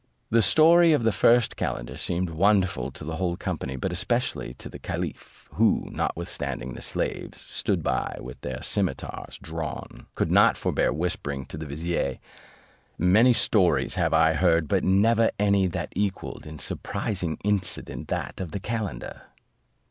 The story of the first calender seemed wonderful to the whole company, but especially to the caliph, who, notwithstanding the slaves stood by with their cimeters drawn, could not forbear whispering to the vizier "Many stories have I heard, but never any that equalled in surprising incident that of the calender."